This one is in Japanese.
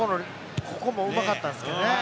ここもうまかったんですけどね。